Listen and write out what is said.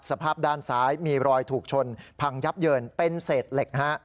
สภาพด้านซ้ายมีรอยถูกชนพังยับเยินเป็นเศษเหล็กฮะ